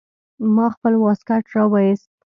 ما خپل واسکټ راوايست.